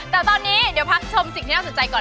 แต่ตอนนี้เดี๋ยวพักชมสิ่งที่น่าสนใจก่อน